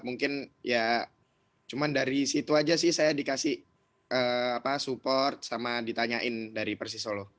mungkin ya cuma dari situ aja sih saya dikasih support sama ditanyain dari persis solo